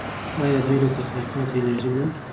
آیا دوی له کثافاتو انرژي نه اخلي؟